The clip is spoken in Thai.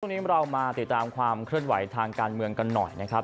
เรามาติดตามความเคลื่อนไหวทางการเมืองกันหน่อยนะครับ